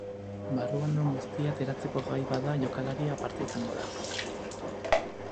Barruan duen guztia ateratzeko gai bada jokalari aparta izango da.